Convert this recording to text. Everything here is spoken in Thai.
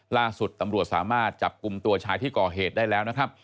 ล่าสุดตำรวจสามารถจับกลุ่มตัวชายที่ก่อเหตุได้แล้วนะครับ